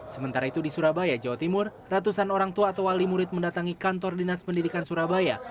sementara itu di surabaya jawa timur ratusan orang tua atau wali murid mendatangi kantor dinas pendidikan surabaya